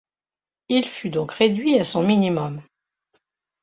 Il fut donc réduit à son minimum.